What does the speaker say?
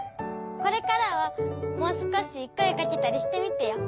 これからはもうすこしこえかけたりしてみてよ。